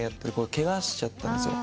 ケガしちゃったんですよ。